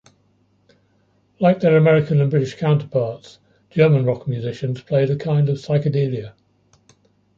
Like their American and British counterparts, German rock musicians played a kind of psychedelia.